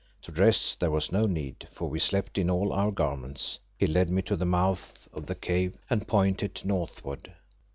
To dress there was no need, for we slept in all our garments. He led me to the mouth of the cave and pointed northward.